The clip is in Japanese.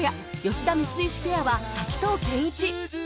吉田・光石ペアは滝藤賢一